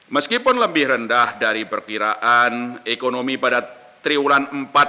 meskipun lebih rendah dari perkiraan ekonomi pada triulan empat dua ribu dua puluh